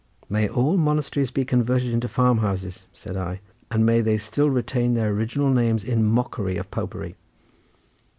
"May all monasteries be converted into farm houses," said I, "and may they still retain their original names in mockery of popery!"